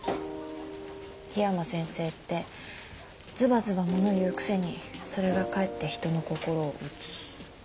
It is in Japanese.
緋山先生ってずばずば物言うくせにそれがかえって人の心を打つ。